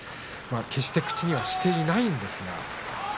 決して口にはしていないんですが。